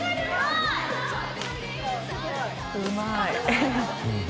うまい。